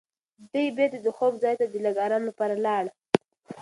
دی بېرته د خوب ځای ته د لږ ارام لپاره لاړ.